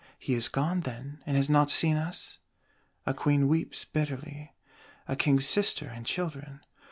He is gone, then, and has not seen us? A Queen weeps bitterly; a King's Sister and Children.